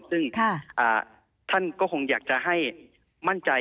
ซึ่งท่านก็คงอยากจะให้มั่นใจ